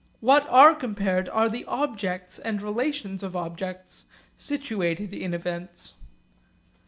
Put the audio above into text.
What are compared are the objects and relations of objects situated in events.